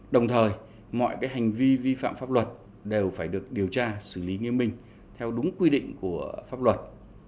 đồng thời mọi hành vi vi phạm pháp luật đều phải được điều tra xử lý nghiêm minh theo đúng quy định của pháp luật